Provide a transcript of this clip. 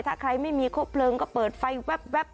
ถ้าใครไม่มีครบเลิงก็เปิดไฟแว๊บ